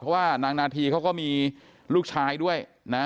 เพราะว่านางนาธีเขาก็มีลูกชายด้วยนะ